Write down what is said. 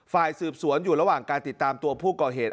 ฝ่ายสืบสวนอยู่ระหว่างการติดตามตัวผู้ก่อเหตุ